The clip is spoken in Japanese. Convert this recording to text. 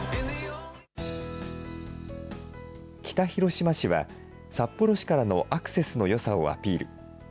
北広島市は、札幌市からのアクセスのよさをアピール。